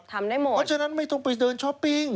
หมดเพราะฉะนั้นไม่ต้องไปเดินช้อปปิ้ง